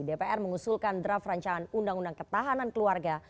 dpr mengusulkan draft rancangan undang undang ketahanan keluarga